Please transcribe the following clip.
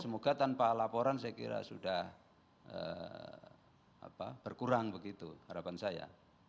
semoga tanpa laporan saya kira sudah berkurang begitu harapan saya